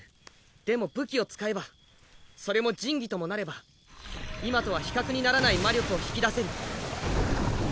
でも武器を使えばそれも神器ともなれば今とは比較にならない魔力を引き出せる。